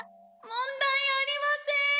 問題ありません！